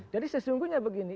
jadi sesungguhnya begini